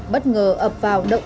bất ngờ ập vào động đa cấp này